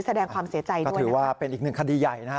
แสดงความเสียใจด้วยก็ถือว่าเป็นอีกหนึ่งคดีใหญ่นะฮะ